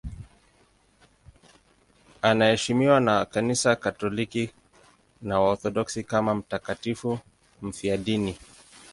Anaheshimiwa na Kanisa Katoliki na Waorthodoksi kama mtakatifu mfiadini.